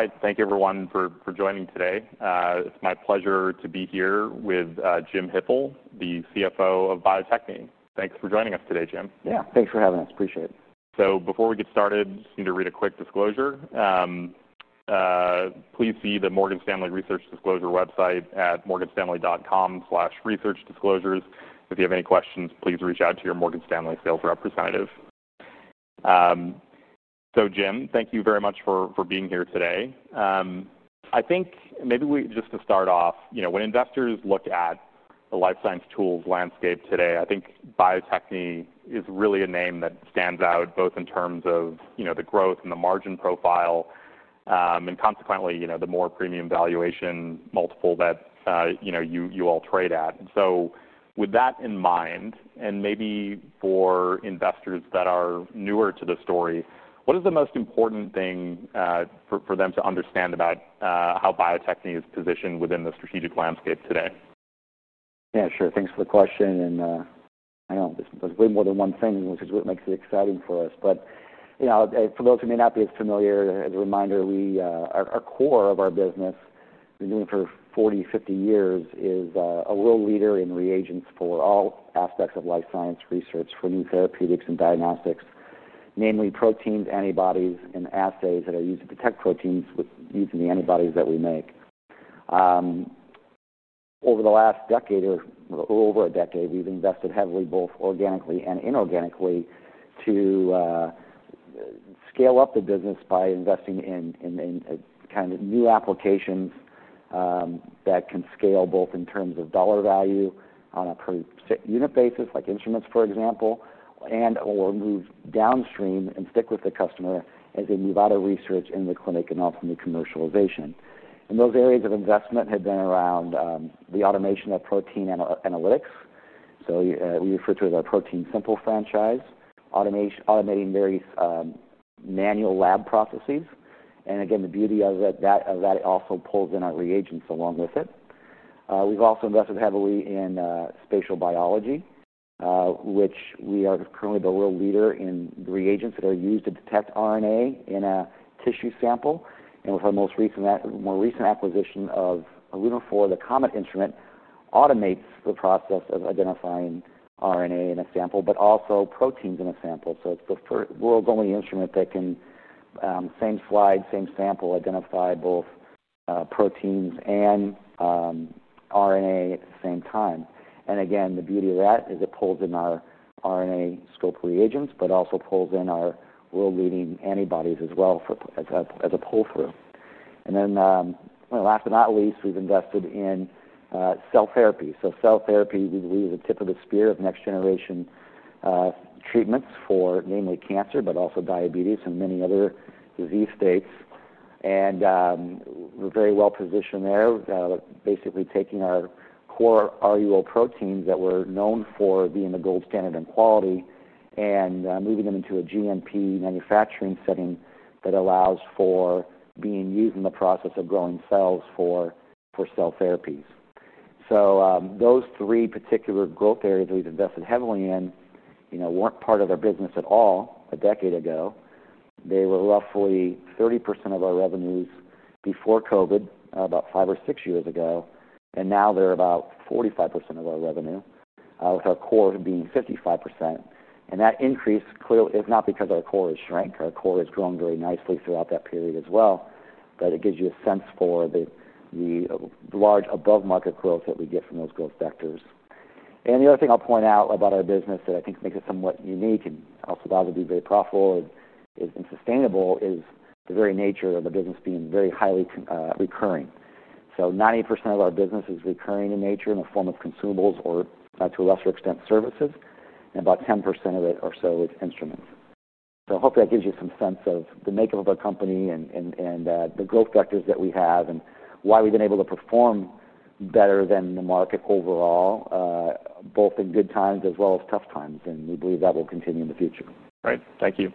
All right. Thank you, everyone, for joining today. It's my pleasure to be here with Jim Hippel, the CFO of Bio-Techne, and Charles Kummeth. Thanks for joining us today, Jim. Yeah, thanks for having us. Appreciate it. Before we get started, I just need to read a quick disclosure. Please see the Morgan Stanley Research Disclosure website at MorganStanley.com/researchdisclosures. If you have any questions, please reach out to your Morgan Stanley sales representative. Jim, thank you very much for being here today. I think maybe just to start off, when investors look at the life science tools landscape today, I think Bio-Techne is really a name that stands out both in terms of the growth and the margin profile, and consequently, the more premium valuation multiple that you all trade at. With that in mind, and maybe for investors that are newer to the story, what is the most important thing for them to understand about how Bio-Techne is positioned within the strategic landscape today? Yeah, sure. Thanks for the question. I know there's way more than one thing, which is what makes it exciting for us. For those who may not be as familiar, as a reminder, the core of our business, we've been doing it for 40, 50 years, is a world leader in reagents for all aspects of life science research, for new therapeutics and diagnostics, namely proteins, antibodies, and assays that are used to detect proteins using the antibodies that we make. Over the last decade, or a little over a decade, we've invested heavily both organically and inorganically to scale up the business by investing in kind of new applications that can scale both in terms of dollar value on a per unit basis, like instruments, for example, and/or move downstream and stick with the customer, as in you've got to research in the clinic and ultimately commercialization. Those areas of investment have been around the automation of protein analytics. We refer to it as our ProteinSimple franchise, automating various manual lab processes. The beauty of that is that it also pulls in our reagents along with it. We've also invested heavily in spatial biology, which we are currently the world leader in reagents that are used to detect RNA in a tissue sample. With our most recent acquisition of Lunaphore, the COMET instrument automates the process of identifying RNA in a sample, but also proteins in a sample. It's the world-only instrument that can, same slide, same sample, identify both proteins and RNA at the same time. The beauty of that is it pulls in our RNAscope reagents, but also pulls in our world-leading antibodies as well as a pull-through. Last but not least, we've invested in cell therapy. Cell therapy, we believe, is the tip of the spear of next-generation treatments for, namely, cancer, but also diabetes and many other disease states. We're very well positioned there, basically taking our core RUO proteins that we're known for being the gold standard in quality and moving them into a GMP protein manufacturing setting that allows for being used in the process of growing cells for cell therapies. Those three particular growth areas that we've invested heavily in weren't part of our business at all a decade ago. They were roughly 30% of our revenue before COVID, about five or six years ago. Now they're about 45% of our revenue, with our core being 55%. That increase clearly is not because our core has shrank; our core has grown very nicely throughout that period as well. It gives you a sense for the large above-market growth that we get from those growth vectors. The other thing I'll point out about our business that I think makes it somewhat unique and also thought would be very profitable and sustainable is the very nature of the business being very highly recurring. 90% of our business is recurring in nature in the form of consumables or, to a lesser extent, services, and about 10% of it or so is instruments. Hopefully, that gives you some sense of the makeup of our company and the growth vectors that we have and why we've been able to perform better than the market overall, both in good times as well as tough times. We believe that will continue in the future. Right. Thank you.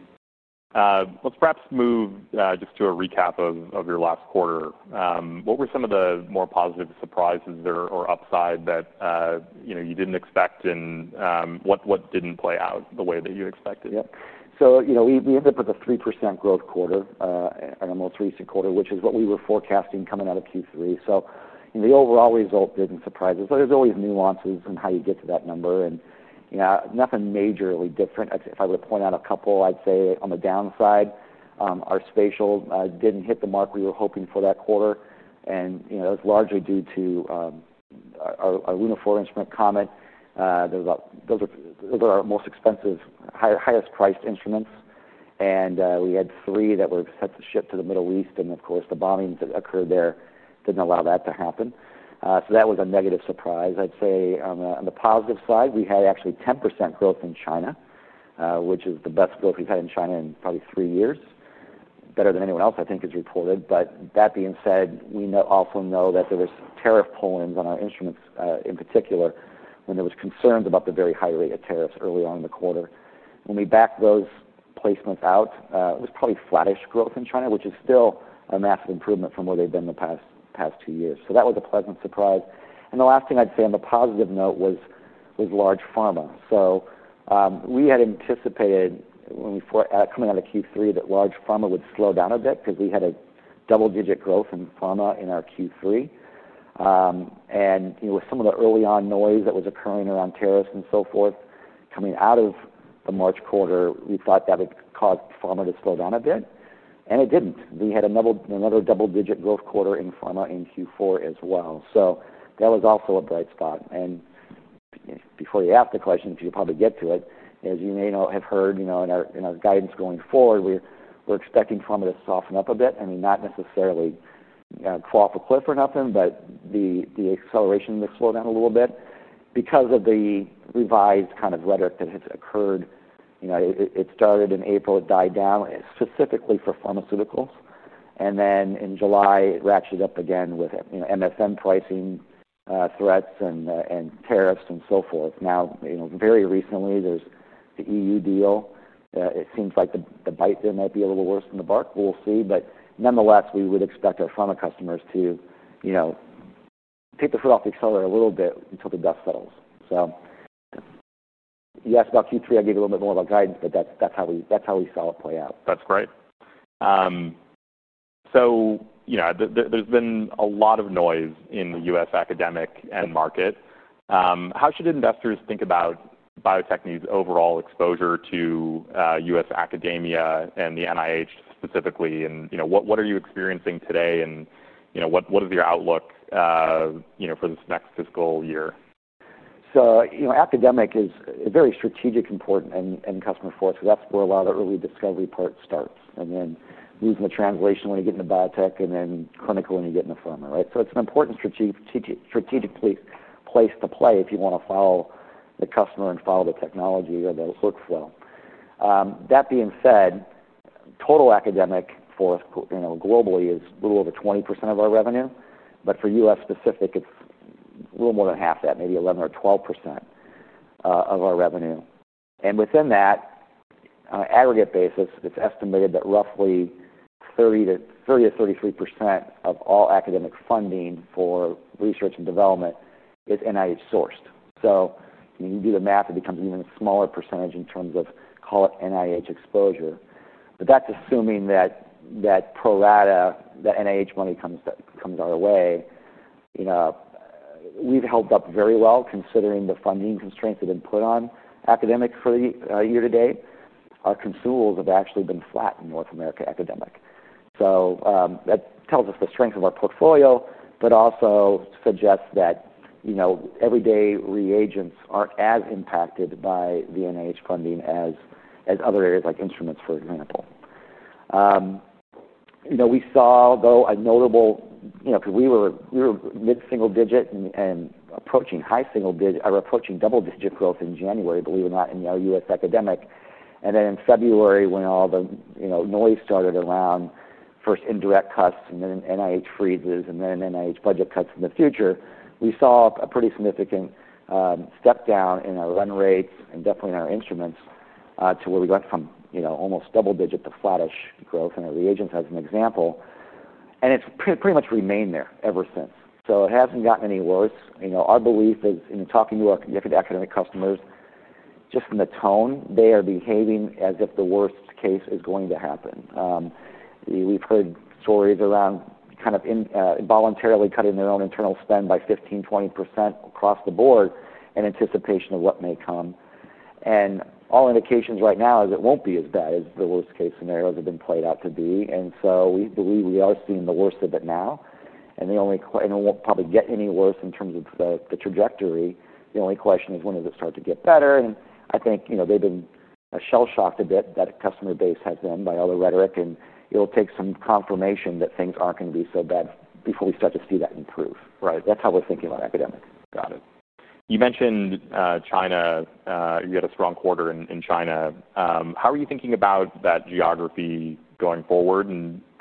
Let's perhaps move just to a recap of your last quarter. What were some of the more positive surprises or upside that you didn't expect, and what didn't play out the way that you expected? Yeah. You know we ended up with a 3% growth quarter in our most recent quarter, which is what we were forecasting coming out of Q3. The overall result didn't surprise us. There's always nuances in how you get to that number, and nothing majorly different. If I were to point out a couple, I'd say on the downside, our spatial didn't hit the mark we were hoping for that quarter. That was largely due to our COMET instrument. Those are our most expensive, highest-priced instruments, and we had three that were set to ship to the Middle East. The bombings that occurred there didn't allow that to happen. That was a negative surprise, I'd say. On the positive side, we had actually 10% growth in China, which is the best growth we've had in China in probably three years, better than anyone else, I think, has reported. That being said, we also know that there was tariff pull-ins on our instruments in particular when there were concerns about the very high rate of tariffs early on in the quarter. When we backed those placements out, it was probably flattish growth in China, which is still a massive improvement from where they've been in the past two years. That was a pleasant surprise. The last thing I'd say on the positive note was large pharma. We had anticipated when we were coming out of Q3 that large pharma would slow down a bit because we had a double-digit growth in pharma in our Q3. With some of the early-on noise that was occurring around tariffs and so forth coming out of the March quarter, we thought that would cause pharma to slow down a bit. It didn't. We had another double-digit growth quarter in pharma in Q4 as well. That was also a bright spot. Before you ask the question, because you'll probably get to it, as you may have heard, in our guidance going forward, we're expecting pharma to soften up a bit. I mean, not necessarily fall off a cliff or nothing, but the acceleration to slow down a little bit because of the revised kind of rhetoric that has occurred. It started in April. It died down specifically for pharmaceuticals, and then in July, it ratcheted up again with MSM pricing threats and tariffs and so forth. Now, very recently, there's the EU deal. It seems like the bite there might be a little worse than the bark. We'll see. Nonetheless, we would expect our pharma customers to take their foot off the accelerator a little bit until the dust settles. You asked about Q3. I'll give you a little bit more about guidance, but that's how we saw it play out. That's great. You know there's been a lot of noise in the U.S. academic and market. How should investors think about Bio-Techne's overall exposure to U.S. academia and the NIH specifically? What are you experiencing today? What is your outlook for this next fiscal year? Academic is very strategic and important, and customer forth. That's where a lot of the early discovery part starts. Using a translation when you get into biotech and then clinical when you get into pharma, right? It's an important strategic place to play if you want to follow the customer and follow the technology or the workflow. That being said, total academic forth globally is a little over 20% of our revenue. For U.S. specific, it's a little more than half that, maybe 11% or 12% of our revenue. Within that, on an aggregate basis, it's estimated that roughly 30% to 33% of all academic funding for research and development is NIH sourced. You can do the math. It becomes even a smaller percentage in terms of, call it, NIH exposure. That's assuming that pro rata, that NIH money comes our way. We've held up very well considering the funding constraints that have been put on academics for the year to date. Our consumables have actually been flat in North America academic. That tells us the strength of our portfolio, but also suggests that everyday reagents aren't as impacted by the NIH funding as other areas like instruments, for example. We saw, though, a notable, because we were mid-single digit and approaching high single digit or approaching double digit growth in January, believe it or not, in our U.S. academic. In February, when all the noise started around first indirect cuts and then NIH freezes and then NIH budget cuts in the future, we saw a pretty significant step down in our run rates and definitely in our instruments to where we went from almost double digit to flattish growth in our reagents as an example. It's pretty much remained there ever since. It hasn't gotten any worse. Our belief is in talking to our academic customers, just in the tone, they are behaving as if the worst case is going to happen. We've heard stories around kind of involuntarily cutting their own internal spend by 15% to 20% across the board in anticipation of what may come. All indications right now is it won't be as bad as the worst-case scenarios have been played out to be. We believe we are seeing the worst of it now. It won't probably get any worse in terms of the trajectory. The only question is when does it start to get better? I think they've been shell-shocked a bit, that customer base has been, by all the rhetoric. It'll take some confirmation that things aren't going to be so bad before we start to see that improve. Right. That's how we're thinking about academics. Got it. You mentioned China. You had a strong quarter in China. How are you thinking about that geography going forward?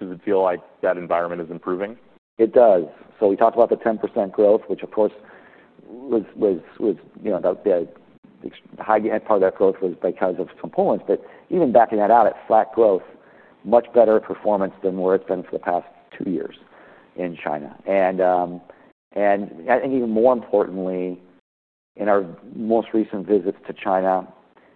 Does it feel like that environment is improving? It does. We talked about the 10% growth, which, of course, was the high part of that growth by the size of some polls. Even backing that out at flat growth, much better performance than where it's been for the past two years in China. Even more importantly, in our most recent visits to China,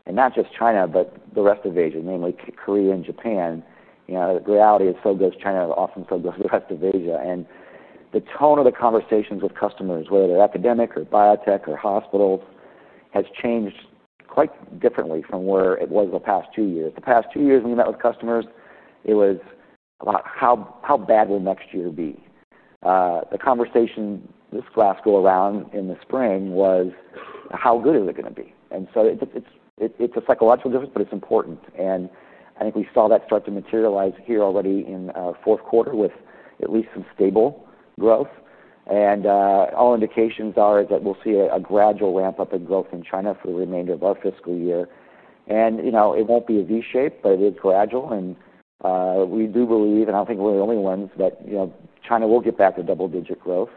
and not just China, but the rest of Asia, namely Korea and Japan, the reality is so goes China, often so goes the rest of Asia. The tone of the conversations with customers, whether they're academic or biotech or hospitals, has changed quite differently from where it was the past two years. The past two years, when you met with customers, it was about how bad will next year be? The conversation this last go around in the spring was how good is it going to be? It's a psychological difference, but it's important. I think we saw that start to materialize here already in our fourth quarter with at least some stable growth. All indications are that we'll see a gradual ramp-up in growth in China for the remainder of our fiscal year. It won't be a V-shape, but it is gradual. We do believe, and I don't think we're the only ones, that China will get back to double-digit growth.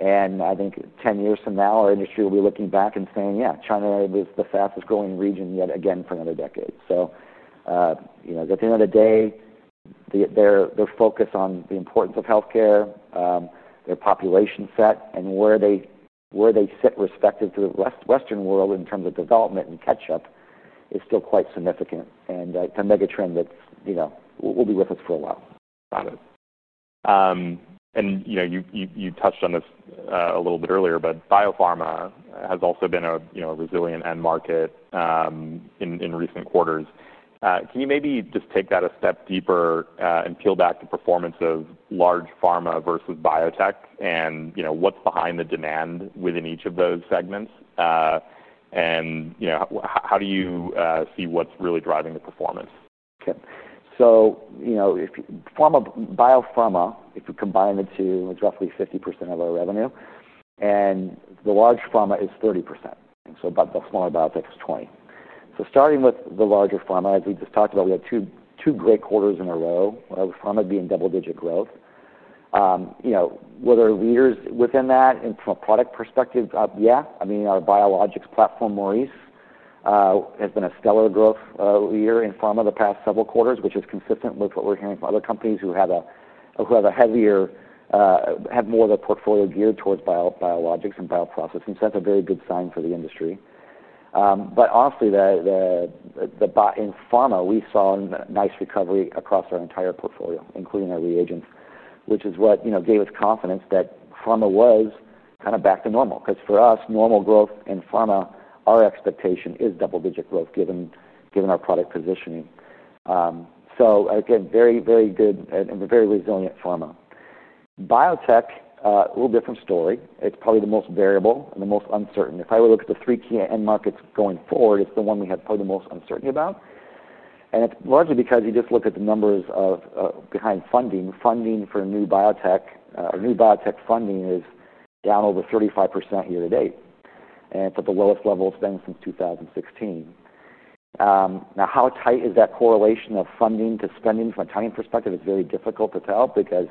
I think 10 years from now, our industry will be looking back and saying, "Yeah, China was the fastest growing region yet again for another decade." At the end of the day, their focus on the importance of healthcare, their population set, and where they sit respective to the Western world in terms of development and catch-up is still quite significant. It's a megatrend that will be with us for a while. Got it. You touched on this a little bit earlier, but biopharma has also been a resilient end market in recent quarters. Can you maybe just take that a step deeper and peel back the performance of large pharma versus biotech and what's behind the demand within each of those segments? How do you see what's really driving the performance? Okay. If biopharma, if you combine the two, it's roughly 50% of our revenue. The large pharma is 30%, and the smaller biotech is 20%. Starting with the larger pharma, as we just talked about, we had two great quarters in a row, pharma being double-digit growth. Whether leaders within that and from a product perspective, yeah. Our biologics platform, Maurice, has been a stellar growth leader in pharma the past several quarters, which is consistent with what we're hearing from other companies who have more of their portfolio geared towards biologics and bioprocessing. That's a very good sign for the industry. Honestly, in pharma, we saw a nice recovery across our entire portfolio, including our reagents, which is what gave us confidence that pharma was kind of back to normal. For us, normal growth in pharma, our expectation is double-digit growth given our product positioning. Very, very good and very resilient pharma. Biotech, a little different story. It's probably the most variable and the most uncertain. If I were to look at the three key end markets going forward, it's the one we had probably the most uncertainty about. It's largely because you just look at the numbers behind funding. Funding for new biotech or new biotech funding is down over 35% year to date, and it's at the lowest level it's been since 2016. How tight is that correlation of funding to spending from a timing perspective? It's very difficult to tell because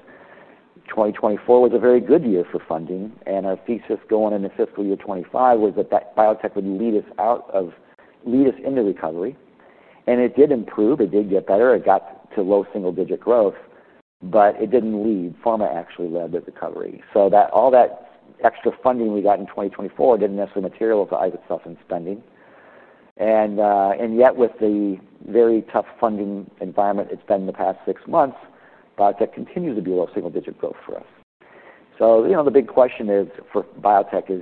2024 was a very good year for funding. Our thesis going into fiscal year 2025 was that biotech would lead us into recovery. It did improve. It did get better. It got to low single-digit growth. It didn't lead. Pharma actually led the recovery. All that extra funding we got in 2024 didn't necessarily materialize itself in spending. Yet, with the very tough funding environment it's been in the past six months, biotech continues to be low single-digit growth for us. The big question for biotech is,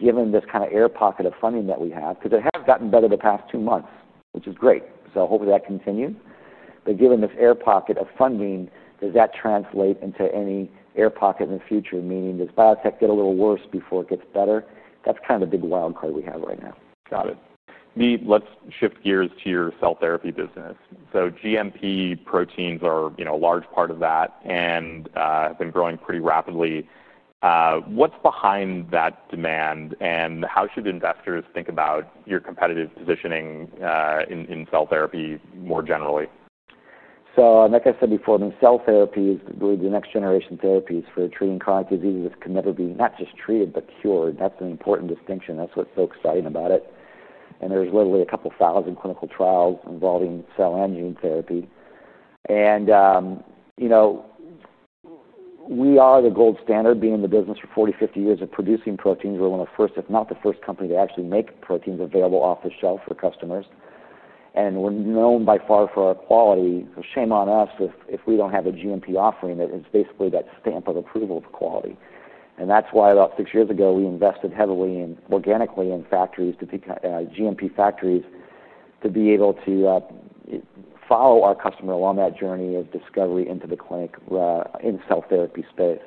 given this kind of air pocket of funding that we have, because it has gotten better the past two months, which is great. Hopefully, that continues. Given this air pocket of funding, does that translate into any air pocket in the future, meaning does biotech get a little worse before it gets better? That's kind of the big wild card we have right now. Got it. Let's shift gears to your cell therapy business. GMP proteins are a large part of that and have been growing pretty rapidly. What's behind that demand? How should investors think about your competitive positioning in cell therapy more generally? Like I said before, in cell therapy, the next-generation therapies for treating chronic disease that can never be not just treated but cured. That's an important distinction. That's what's so exciting about it. There's literally a couple of thousand clinical trials involving cell and gene therapy. You know we are the gold standard, being in the business for 40, 50 years of producing proteins. We're one of the first, if not the first, companies to actually make proteins available off the shelf for customers. We're known by far for our quality. Shame on us if we don't have a GMP offering that is basically that stamp of approval of quality. That's why about six years ago, we invested heavily organically in GMP factories to be able to follow our customer along that journey of discovery into the clinic in the cell therapy space.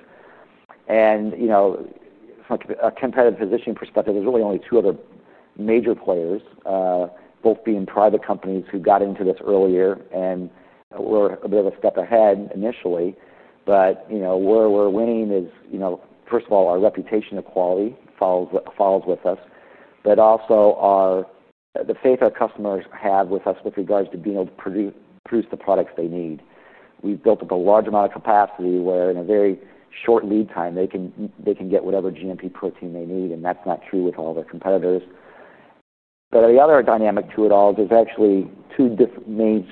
From a competitive positioning perspective, there's really only two other major players, both being private companies who got into this earlier and were a bit of a step ahead initially. Where we're winning is, first of all, our reputation of quality follows with us. Also, the faith our customers have with us with regards to being able to produce the products they need. We've built up a large amount of capacity where, in a very short lead time, they can get whatever GMP protein they need. That's not true with all their competitors. The other dynamic to it all, there's actually two main,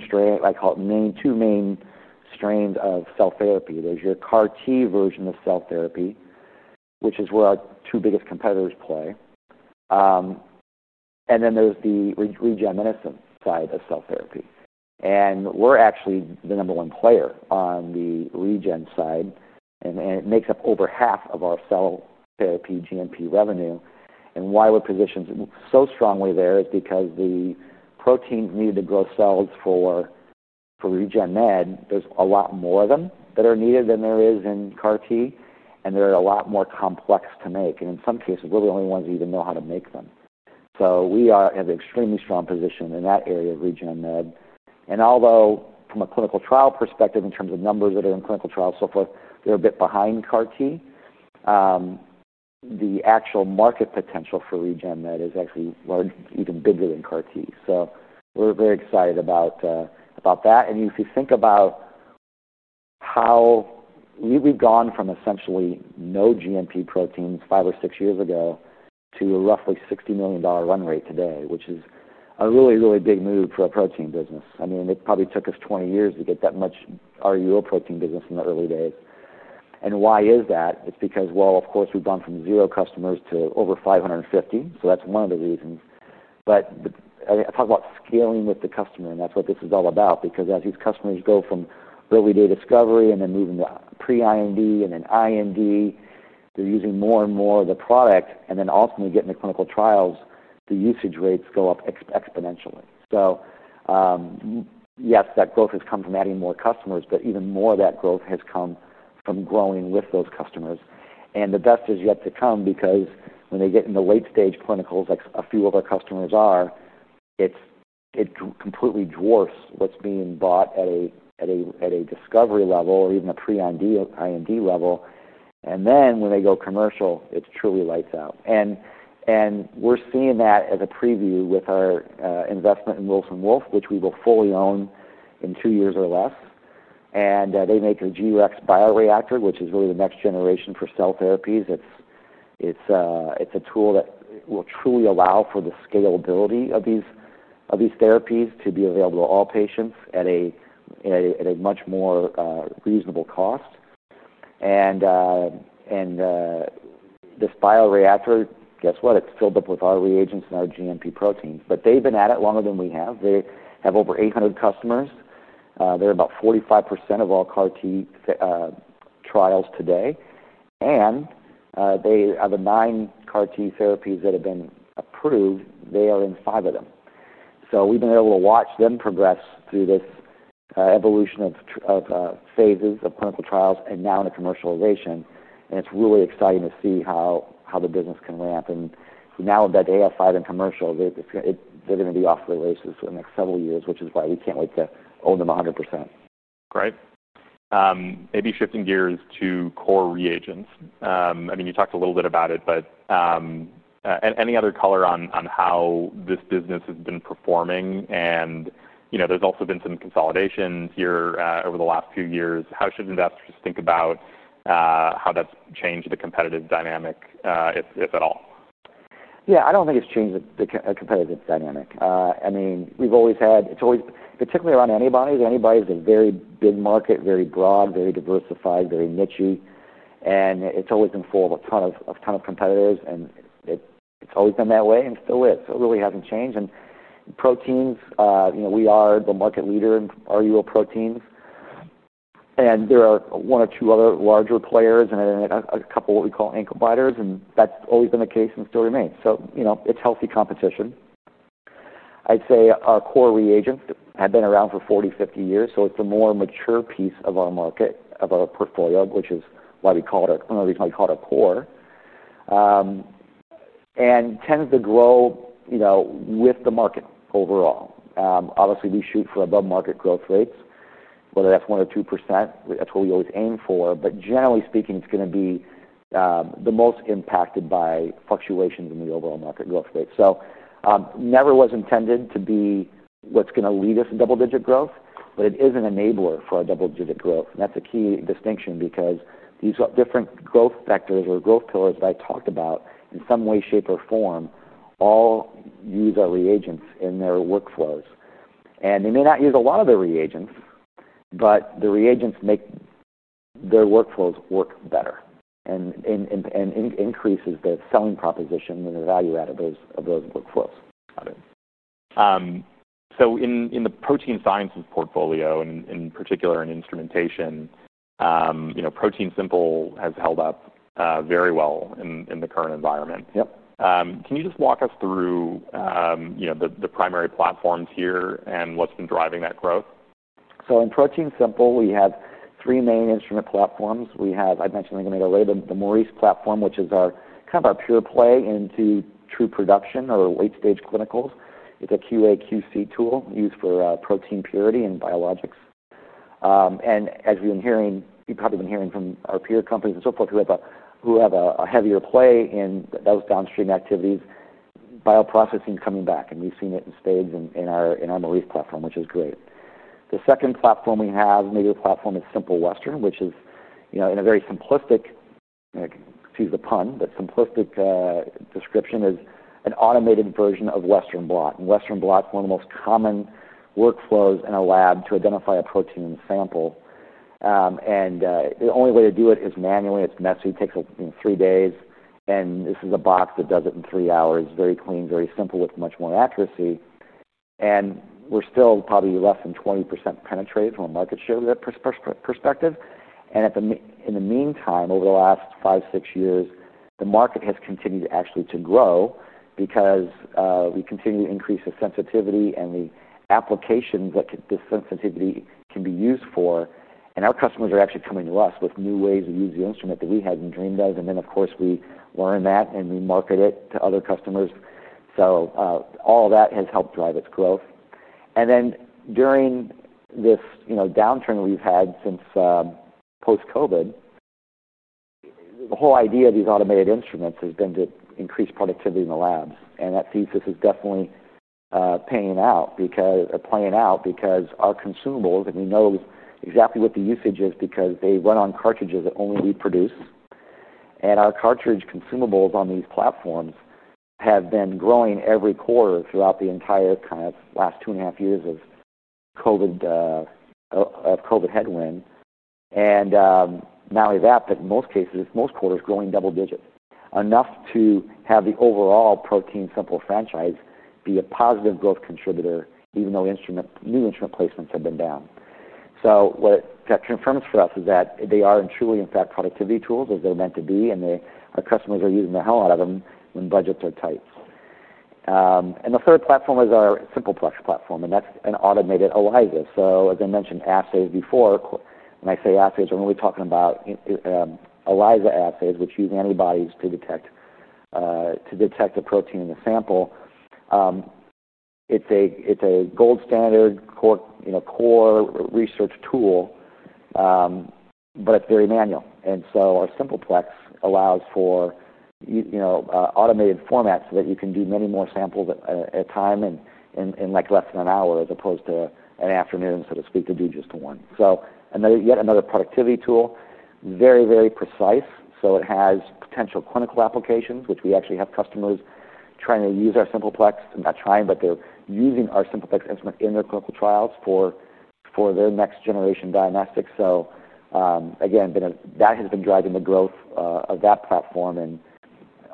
I call it two main strains of cell therapy. There's your CAR-T version of cell therapy, which is where our two biggest competitors play. Then there's the regenescent side of cell therapy. We're actually the number one player on the regen side. It makes up over half of our cell therapy GMP revenue. Why we're positioned so strongly there is because the proteins needed to grow cells for regen med, there's a lot more of them that are needed than there is in CAR-T. They're a lot more complex to make. In some cases, we're the only ones that even know how to make them. We have an extremely strong position in that area of regen med. Although from a clinical trial perspective, in terms of numbers that are in clinical trials and so forth, they're a bit behind CAR-T, the actual market potential for regen med is actually even bigger than CAR-T. We're very excited about that. If you think about how we've gone from essentially no GMP proteins five or six years ago to a roughly $60 million run rate today, which is a really, really big move for a protein business. It probably took us 20 years to get that much RUO protein business in the early days. Why is that? It's because, of course, we've gone from zero customers to over 550. That's one of the reasons. I talk about scaling with the customer, and that's what this is all about. As these customers go from early-day discovery and then moving to pre-IND and then IND, they're using more and more of the product. Ultimately, getting to clinical trials, the usage rates go up exponentially. Yes, that growth has come from adding more customers, but even more of that growth has come from growing with those customers. The best is yet to come because when they get into late-stage clinicals, like a few of our customers are, it completely dwarfs what's being bought at a discovery level or even a pre-IND level. When they go commercial, it truly lights out. We're seeing that as a preview with our investment in Wilson Wolf, which we will fully own in two years or less. They make the G-Rex bioreactor, which is really the next generation for cell therapies. It's a tool that will truly allow for the scalability of these therapies to be available to all patients at a much more reasonable cost. This bioreactor, guess what? It's filled up with our reagents and our GMP proteins. They've been at it longer than we have. They have over 800 customers. They're about 45% of all CAR-T trials today. Out of the nine CAR-T therapies that have been approved, they are in five of them. We've been able to watch them progress through this evolution of phases of clinical trials and now into commercialization. It's really exciting to see how the business can ramp. Now that they have five in commercial, they're going to be off to the races for the next several years, which is why we can't wait to own them 100%. Great. Maybe shifting gears to core reagents. You talked a little bit about it, but any other color on how this business has been performing? You know there's also been some consolidation here over the last few years. How should investors think about how that's changed the competitive dynamic, if at all? Yeah, I don't think it's changed the competitive dynamic. I mean, we've always had, it's always particularly around antibodies. Antibodies is a very big market, very broad, very diversified, very nichey. It's always been full of a ton of competitors. It's always been that way and still is. It really hasn't changed. Proteins, you know we are the market leader in RUO proteins. There are one or two other larger players and a couple of what we call ankle biters. That's always been the case and still remains. You know it's healthy competition. I'd say our core reagents have been around for 40, 50 years. It's a more mature piece of our market, of our portfolio, which is why we call it, one of the reasons why we call it our core, and tends to grow, you know, with the market overall. Obviously, we shoot for above market growth rates, whether that's 1% or 2%. That's what we always aim for. Generally speaking, it's going to be the most impacted by fluctuations in the overall market growth rate. It never was intended to be what's going to lead us to double-digit growth, but it is an enabler for a double-digit growth. That's a key distinction because these different growth vectors or growth pillars that I talked about, in some way, shape, or form, all use our reagents in their workflows. They may not use a lot of the reagents, but the reagents make their workflows work better and increases their selling proposition and the value add of those workflows. Got it. In the protein sciences portfolio, in particular in instrumentation, you know, ProteinSimple has held up very well in the current environment. Yep. Can you just walk us through the primary platforms here and what's been driving that growth? In ProteinSimple, we have three main instrument platforms. I mentioned a little bit earlier, the Maurice platform, which is kind of our pure play into true production or late-stage clinicals. It's a QA/QC tool used for protein purity in biologics. As we've been hearing, you've probably been hearing from our peer companies and so forth who have a heavier play in those downstream activities, bioprocessing is coming back. We've seen it in spades in our Maurice platform, which is great. The second platform we have, maybe the platform is Simple Western, which is, you know, in a very simplistic, excuse the pun, but simplistic description is an automated version of Western Blot. Western Blot is one of the most common workflows in a lab to identify a protein sample. The only way to do it is manually. It's messy. It takes three days. This is a box that does it in three hours. It's very clean, very simple with much more accuracy. We're still probably less than 20% penetrated from a market share perspective. In the meantime, over the last five, six years, the market has continued actually to grow because we continue to increase the sensitivity and the applications that this sensitivity can be used for. Our customers are actually coming to us with new ways to use the instrument that we hadn't dreamed of. Of course, we learn that and we market it to other customers. All of that has helped drive its growth. During this downturn that we've had since post-COVID, the whole idea of these automated instruments has been to increase productivity in the lab. That thesis is definitely paying out because our consumables, and he knows exactly what the usage is because they run on cartridges that only we produce. Our cartridge consumables on these platforms have been growing every quarter throughout the entire kind of last two and a half years of COVID headwind. Not only that, but in most cases, most quarters growing double digits, enough to have the overall ProteinSimple franchise be a positive growth contributor, even though new instrument placements have been down. What that confirms for us is that they are truly, in fact, productivity tools as they're meant to be. Our customers are using the hell out of them when budgets are tight. The third platform is our Simple Plex platform. That's an automated ELISA. As I mentioned, assays before, when I say assays, I'm really talking about ELISA assays, which use antibodies to detect the protein in the sample. It's a gold standard core research tool, but it's very manual. Our Simple Plex allows for automated formats so that you can do many more samples at a time in less than an hour, as opposed to an afternoon, so to speak, to do just the one. Yet another productivity tool, very, very precise. It has potential clinical applications, which we actually have customers trying to use our Simple Plex. Not trying, but they're using our Simple Plex instrument in their clinical trials for their next-generation diagnostics. That has been driving the growth of that platform.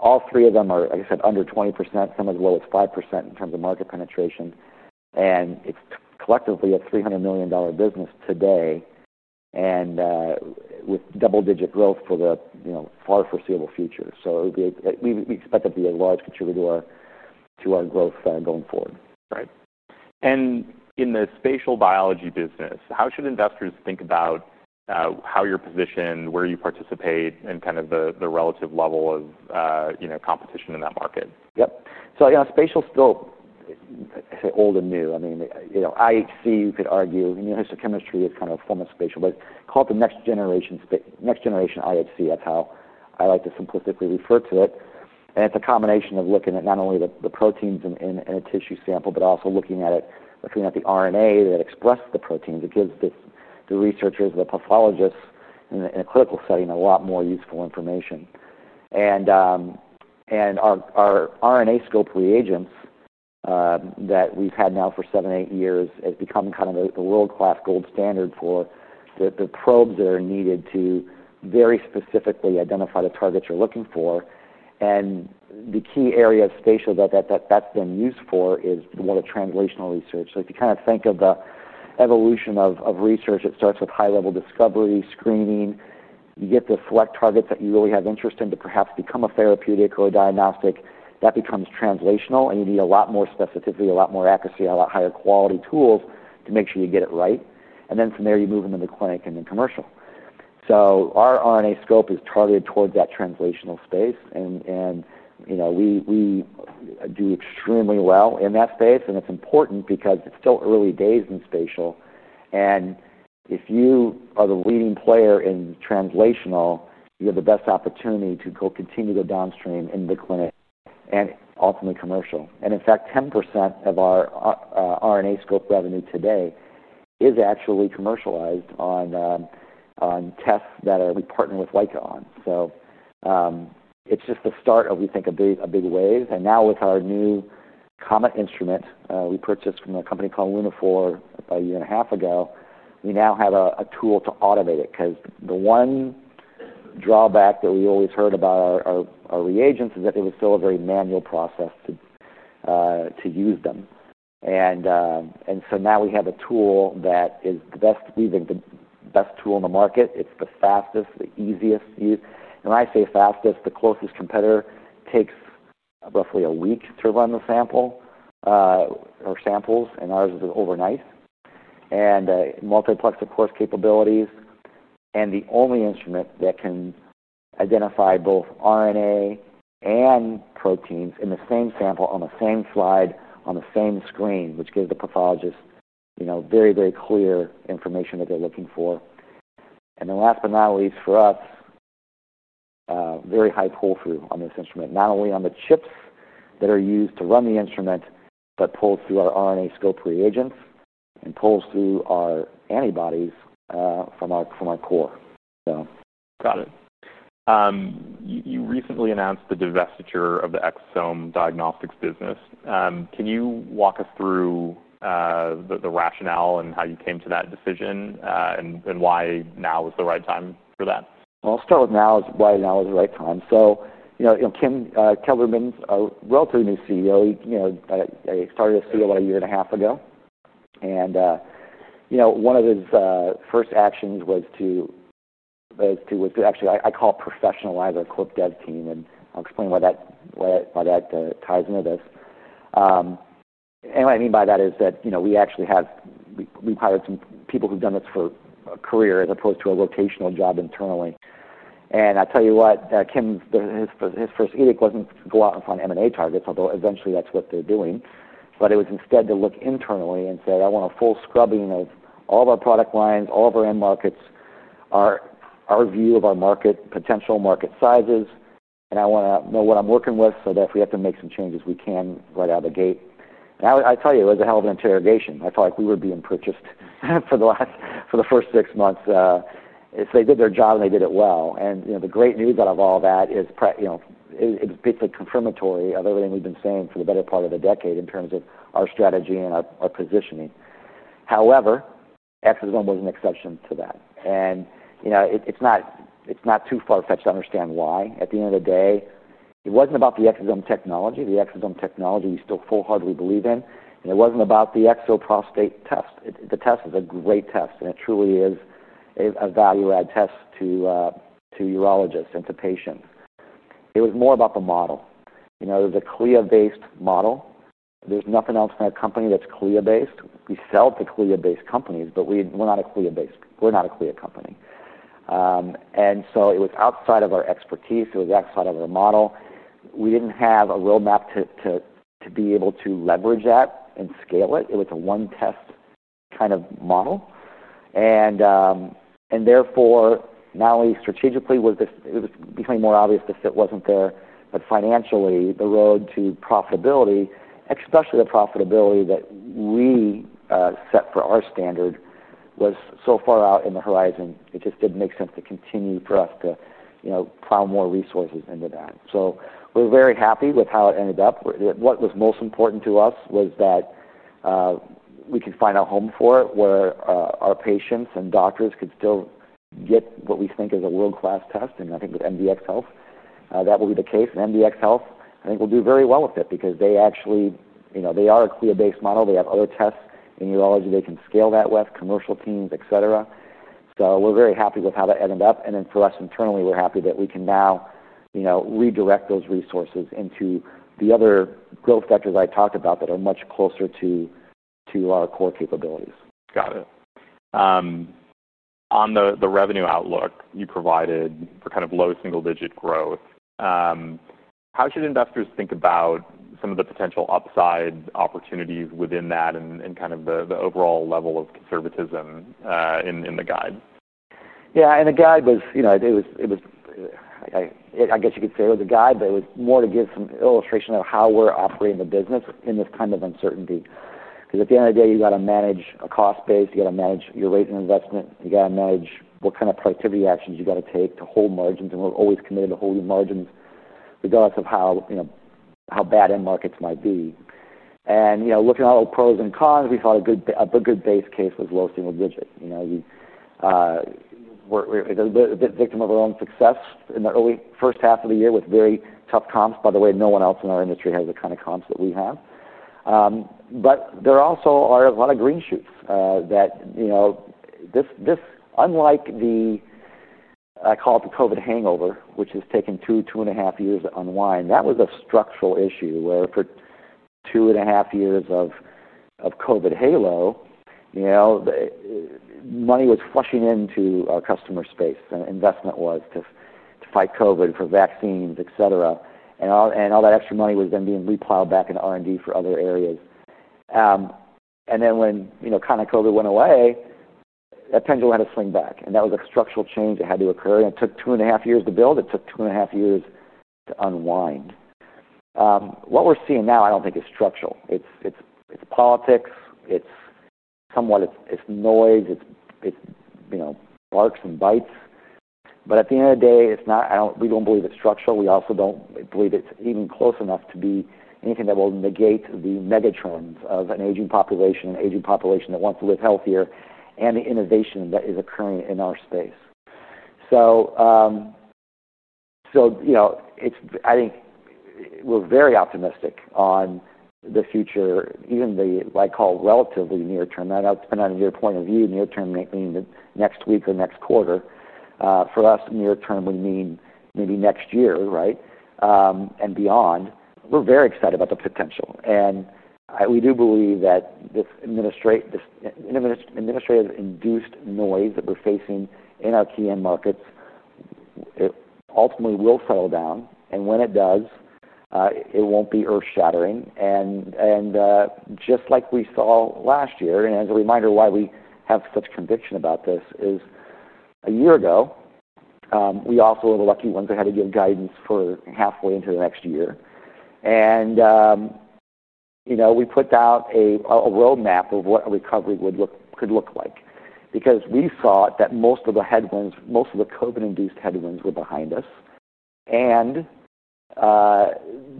All three of them are, like I said, under 20%, some as low as 5% in terms of market penetration. It's collectively a $300 million business today with double-digit growth for the far foreseeable future. We expect to be a large contributor to our growth going forward. Right. In the spatial biology business, how should investors think about how you're positioned, where you participate, and the relative level of competition in that market? Yep. Spatial is still, I say, old and new. I mean, you know, IHC, you could argue, and you know chemistry is kind of a form of spatial, but call it the next-generation IHC. That's how I like to simplistically refer to it. It's a combination of looking at not only the proteins in a tissue sample, but also looking at it, looking at the RNA that expresses the proteins. It gives the researchers, the pathologists in a clinical setting a lot more useful information. Our RNAscope reagents that we've had now for seven, eight years have become kind of the world-class gold standard for the probes that are needed to very specifically identify the targets you're looking for. The key area of spatial that that's been used for is more the translational research. If you kind of think of the evolution of research, it starts with high-level discovery, screening. You get to select targets that you really have interest in to perhaps become a therapeutic or a diagnostic. That becomes translational. You need a lot more specificity, a lot more accuracy, a lot higher quality tools to make sure you get it right. From there, you move into the clinic and then commercial. Our RNAscope is targeted towards that translational space. We do extremely well in that space. It's important because it's still early days in spatial. If you are the leading player in translational, you have the best opportunity to continue to go downstream in the clinic and ultimately commercial. In fact, 10% of our RNAscope revenue today is actually commercialized on tests that we partner with Leica on. It's just the start of, we think, a big wave. Now with our new COMET instrument we purchased from a company called Lunaphore about a year and a half ago, we now have a tool to automate it because the one drawback that we always heard about our reagents is that it was still a very manual process to use them. Now we have a tool that is the best, we think, the best tool in the market. It's the fastest, the easiest to use. When I say fastest, the closest competitor takes roughly a week to run the sample or samples. Ours is overnight. Multiplex, of course, capabilities. The only instrument that can identify both RNA and proteins in the same sample on the same slide on the same screen, which gives the pathologist very, very clear information that they're looking for. Last but not least, for us, very high pull-through on this instrument, not only on the chips that are used to run the instrument, but pulls through our RNAscope reagents and pulls through our antibodies from our core. Got it. You recently announced the divestiture of the Exosome Diagnostics business. Can you walk us through the rationale and how you came to that decision and why now is the right time for that? Now is why now is the right time. You know Kim Kelderman, a relatively new CEO, he started as CEO about a year and a half ago. One of his first actions was to, actually, I call it professionalize our corp dev team. I'll explain why that ties into this. What I mean by that is that we actually have, we piloted some people who've done this for a career as opposed to a rotational job internally. Kim, his first gig wasn't to go out and find M&A targets, although eventually, that's what they're doing. It was instead to look internally and say, "I want a full scrubbing of all of our product lines, all of our end markets, our view of our market, potential market sizes. I want to know what I'm working with so that if we have to make some changes, we can right out of the gate." It was a hell of an interrogation. I felt like we were being purchased for the first six months. If they did their job, they did it well. The great news out of all that is, it's basically confirmatory of everything we've been saying for the better part of a decade in terms of our strategy and our positioning. However, Exosome Diagnostics was an exception to that. It's not too far-fetched to understand why. At the end of the day, it wasn't about the Exosome Diagnostics technology. The Exosome Diagnostics technology we still wholeheartedly believe in. It wasn't about the exoprostate test. The test is a great test. It truly is a value-add test to urologists and to patients. It was more about the model. There's a CLIA-based model. There's nothing else in our company that's CLIA-based. We sell to CLIA-based companies, but we're not a CLIA company. It was outside of our expertise. It was outside of our model. We didn't have a roadmap to be able to leverage that and scale it. It was a one-test kind of model. Therefore, not only strategically, it was becoming more obvious the fit wasn't there, but financially, the road to profitability, especially the profitability that we set for our standard, was so far out in the horizon. It just didn't make sense to continue for us to plow more resources into that. We're very happy with how it ended up. What was most important to us was that we could find a home for it where our patients and doctors could still get what we think is a world-class test. I think with MDxHealth, that will be the case. MDxHealth, I think, will do very well with it because they actually, you know, are a CLIA-based model. They have other tests in urology they can scale that with, commercial teams, etc. We are very happy with how that ended up. For us internally, we are happy that we can now, you know, redirect those resources into the other growth vectors I talked about that are much closer to our core capabilities. Got it. On the revenue outlook you provided for kind of low single-digit growth, how should investors think about some of the potential upside opportunities within that and the overall level of conservatism in the guide? Yeah. The guide was, you know, it was, I guess you could say it was a guide, but it was more to give some illustration of how we're operating the business in this kind of uncertainty. At the end of the day, you got to manage a cost base. You got to manage your rate and investment. You got to manage what kind of productivity actions you got to take to hold margins. We're always committed to holding margins regardless of how, you know, how bad end markets might be. Looking at all the pros and cons, we saw a good base case with low single digits. We were a bit victim of our own success in the early first half of the year with very tough comps. By the way, no one else in our industry has the kind of comps that we have. There also are a lot of green shoots that, you know, this, unlike the, I call it the COVID hangover, which has taken two, two and a half years to unwind, that was a structural issue where for two and a half years of COVID halo, you know, the money was flushing into our customer space. Investment was to fight COVID for vaccines, etc. All that extra money was then being replowed back into R&D for other areas. When, you know, kind of COVID went away, that pendulum had to swing back. That was a structural change that had to occur. It took two and a half years to build. It took two and a half years to unwind. What we're seeing now, I don't think, is structural. It's politics. It's somewhat it's noise. It's, you know, barks and bites. At the end of the day, it's not, I don't, we don't believe it's structural. We also don't believe it's even close enough to be anything that will negate the megatrends of an aging population, an aging population that wants to live healthier, and the innovation that is occurring in our space. I think we're very optimistic on the future, even the, I call, relatively near term. Now, it depends on your point of view. Near term may mean the next week or next quarter. For us, near term, we mean maybe next year, right, and beyond. We're very excited about the potential. We do believe that this administrative-induced noise that we're facing in our key end markets ultimately will settle down. When it does, it won't be earth-shattering. Just like we saw last year, and as a reminder why we have such conviction about this, is a year ago, we also were the lucky ones that had to give guidance for halfway into the next year. We put out a roadmap of what a recovery could look like because we saw that most of the headwinds, most of the COVID-induced headwinds, were behind us.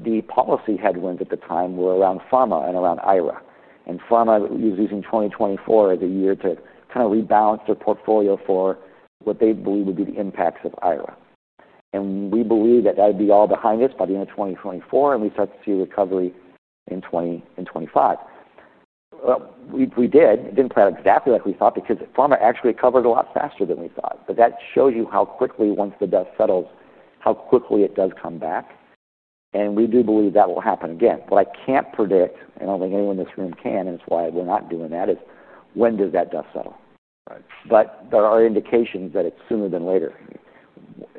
The policy headwinds at the time were around pharma and around IRA. Pharma was using 2024 as a year to kind of rebalance their portfolio for what they believe would be the impacts of IRA. We believe that that would be all behind us by the end of 2024, and we start to see recovery in 2025. It did not play out exactly like we thought because pharma actually recovered a lot faster than we thought. That shows you how quickly, once the dust settles, how quickly it does come back. We do believe that will happen again. What I cannot predict, and I do not think anyone in this room can, and it is why we are not doing that, is when does that dust settle? Right. There are indications that it's sooner than later.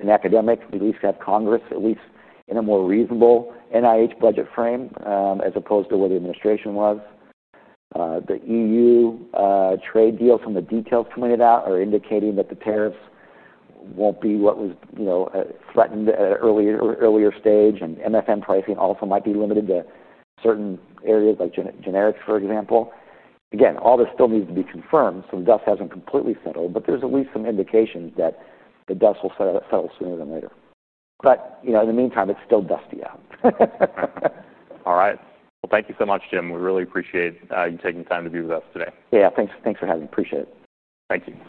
In academics, we at least have Congress, at least in a more reasonable NIH budget frame, as opposed to where the administration was. The EU trade deals from the details coming in and out are indicating that the tariffs won't be what was, you know, threatened at an earlier stage. MFM pricing also might be limited to certain areas like generics, for example. Again, all this still needs to be confirmed. The dust hasn't completely settled, but there's at least some indications that the dust will settle sooner than later. You know, in the meantime, it's still dusty out. All right. Thank you so much, Jim. We really appreciate you taking the time to be with us today. Yeah, thanks for having me. Appreciate it. Thank you.